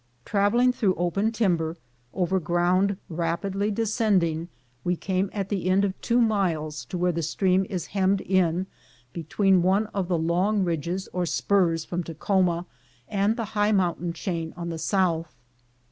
Traveling through open timber, over ground rapidly descending, we came at the end of two miles to where the stream is hemmed in between one of the long ridges or spurs from Ta khoma and the high mountain chain on the south.